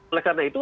oleh karena itu